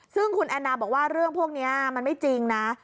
ซึ่งคุณแอนนาบอกว่าเรื่องพวกนี้มันไม่จริงนะ